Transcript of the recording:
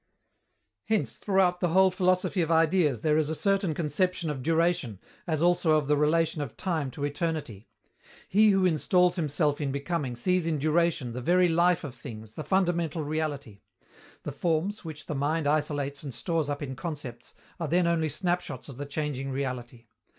Hence, throughout the whole philosophy of Ideas there is a certain conception of duration, as also of the relation of time to eternity. He who installs himself in becoming sees in duration the very life of things, the fundamental reality. The Forms, which the mind isolates and stores up in concepts, are then only snapshots of the changing reality.